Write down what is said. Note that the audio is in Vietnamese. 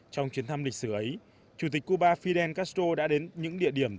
trong chuyến thăm lịch sử ấy chủ tịch cuba fidel castro đã đến những địa điểm